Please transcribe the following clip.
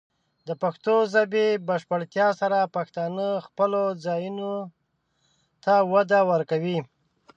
د پښتو ژبې د بشپړتیا سره، پښتانه خپلو ځایونو ته وده ورکوي.